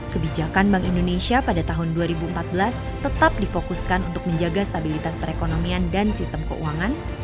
kebijakan bank indonesia pada tahun dua ribu empat belas tetap difokuskan untuk menjaga stabilitas perekonomian dan sistem keuangan